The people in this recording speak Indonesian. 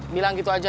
bilang gitu aja